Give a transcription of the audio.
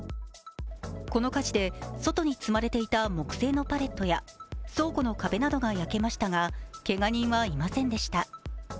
この火事で外に積まれていた木製のパレットや倉庫の壁などが焼けましたがけが人はいませんでした。